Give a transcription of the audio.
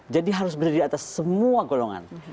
jadi harus berada di atas semua golongan